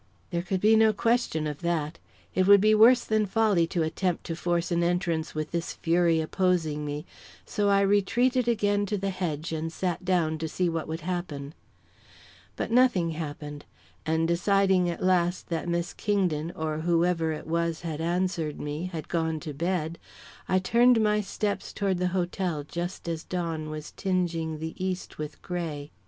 There could be no question of that; it would be worse than folly to attempt to force an entrance with this fury opposing me, so I retreated again to the hedge and sat down to see what would happen. But nothing happened, and deciding at last that Miss Kingdon, or whoever it was had answered me, had gone to bed, I turned my steps toward the hotel just as the dawn was tingeing the east with grey.